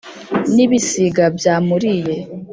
n' ibisiga byamuriye